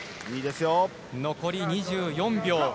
残り２４秒。